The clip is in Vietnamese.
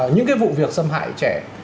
những cái vụ việc xâm hại trẻ